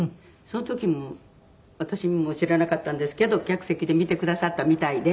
その時も私も知らなかったんですけど客席で見てくださったみたいで。